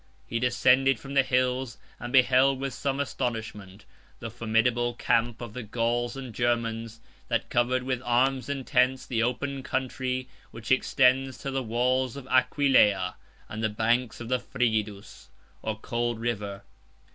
He descended from the hills, and beheld, with some astonishment, the formidable camp of the Gauls and Germans, that covered with arms and tents the open country which extends to the walls of Aquileia, and the banks of the Frigidus, 117 or Cold River.